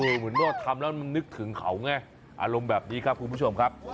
เหมือนว่าทำแล้วมันนึกถึงเขาไงอารมณ์แบบนี้ครับคุณผู้ชมครับ